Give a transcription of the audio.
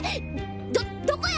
どどこや！？